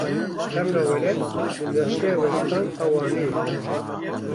Xemla Welêt li navçeya Westan a Wanê ye.